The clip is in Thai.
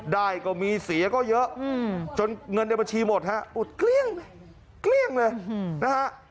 ได้ก็มีเสียก็เยอะจนเงินในบัญชีหมดฮะอุดเกลี้ยงเกลี้ยงเลยนะฮะ